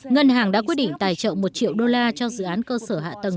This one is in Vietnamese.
ngân hàng đã quyết định tài trợ một triệu đô la cho dự án cơ sở hạ tầng